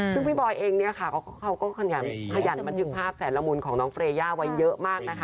ซึ่งพี่บอยเองเนี่ยค่ะเขาก็ขยันบันทึกภาพแสนละมุนของน้องเฟรย่าไว้เยอะมากนะคะ